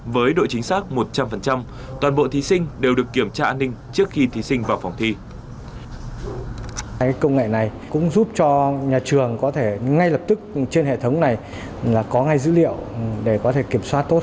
với độ chính xác một trăm linh toàn bộ thí sinh đều được kiểm tra an ninh trước khi thí sinh vào phòng thi